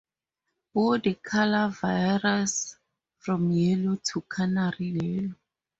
Body color varies from yellow to canary yellow.